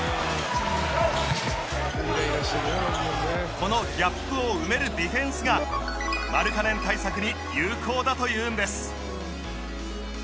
このギャップを埋めるディフェンスがマルカネン対策に有効だというんです。